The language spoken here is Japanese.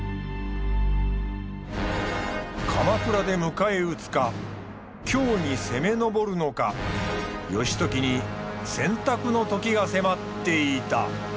鎌倉で迎え撃つか京に攻めのぼるのか義時に選択の時が迫っていた。